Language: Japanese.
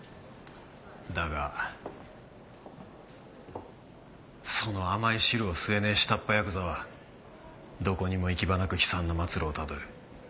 だがその甘い汁を吸えねえ下っ端ヤクザはどこにも行き場なく悲惨な末路をたどる。